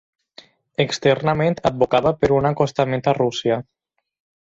Externament, advocava per un acostament a Rússia.